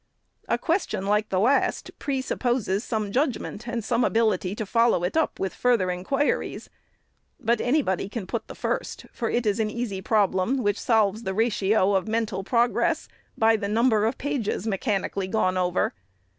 " A question like the last presupposes some judgment and some ability to follow it up with further inquiries ; but anybody can put the first, for it is an easy problem which solves the ratio of mental progress by the number of pages mechanically gone over.